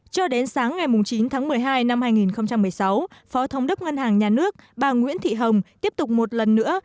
cho đến sáng ngày chín tháng một mươi hai năm hai nghìn một mươi sáu phó thống đốc ngân hàng nhà nước bà nguyễn thị hồng tiếp tục một lần nữa